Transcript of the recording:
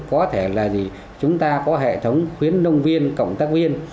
có thể là gì chúng ta có hệ thống khuyến nông viên cộng tác viên